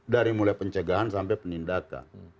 dari mulai pencegahan sampai penindakan